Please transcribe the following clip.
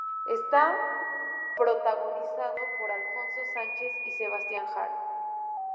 Está protagonizado por Alfonso Sánchez y Sebastián Haro.